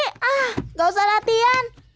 nggak usah latihan